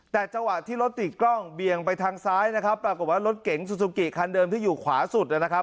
แต่จังหวะที่รถติดกล้องเบี่ยงไปทางซ้ายนะครับปรากฏว่ารถเก๋งซูซูกิคันเดิมที่อยู่ขวาสุดนะครับ